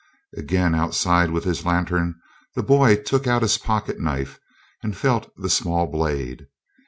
Again outside with his lantern, the boy took out his pocket knife and felt the small blade.